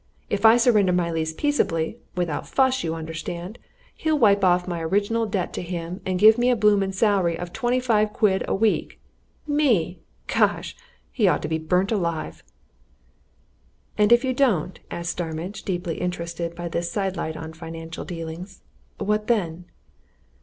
If I surrender my lease peaceably without fuss, you understand he'll wipe off my original debt to him and give me a blooming salary of twenty five quid a week me! Gosh! he ought to be burnt alive!" "And if you don't?" asked Starmidge, deeply interested by this sidelight on financial dealings. "What then?"